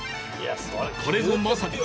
これぞまさに